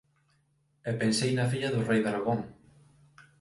E pensei na filla do rei Dragón.